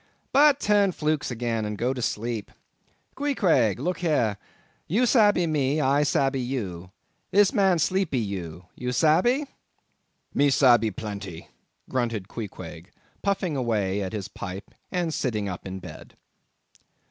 —but turn flukes again and go to sleep. Queequeg, look here—you sabbee me, I sabbee—you this man sleepe you—you sabbee?" "Me sabbee plenty"—grunted Queequeg, puffing away at his pipe and sitting up in bed.